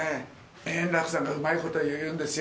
円楽さんがうまいこと言うんですよ。